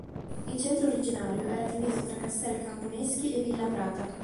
Il centro originario era diviso tra Castel Camponeschi e Villa Prata.